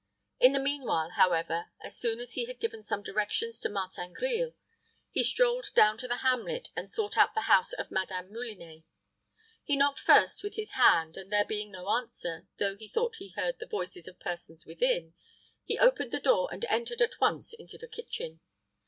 In the mean while, however, as soon as he had given some directions to Martin Grille, he strolled down to the hamlet and sought out the house of Madame Moulinet. He knocked first with his hand, and there being no answer, though he thought he heard the voices of persons within, he opened the door and entered at once into the kitchen.